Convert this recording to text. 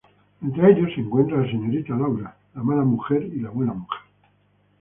Entre ellos se encuentra la señorita Laura, la Mala Mujer y la Buena Mujer.